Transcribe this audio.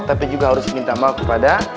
tapi juga harus minta maaf kepada